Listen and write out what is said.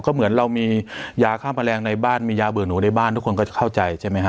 ก็เหมือนเรามียาฆ่าแมลงในบ้านมียาเบื่อหนูในบ้านทุกคนก็จะเข้าใจใช่ไหมฮะ